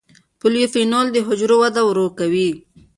پولیفینول د حجرو وده ورو کوي.